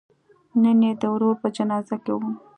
نن یې د ورور په جنازه کې و.